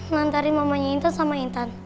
ngantarin mamanya intan sama intan